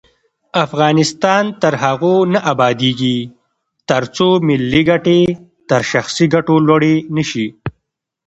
افغانستان تر هغو نه ابادیږي، ترڅو ملي ګټې تر شخصي ګټو لوړې نشي.